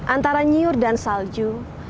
antara nyur dan salju